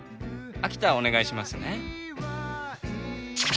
秋田はお願いしますね。